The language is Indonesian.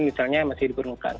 misalnya masih diperlukan